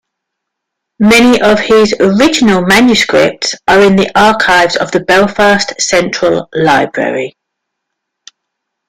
Many of his original manuscripts are in the archives of the Belfast Central Library.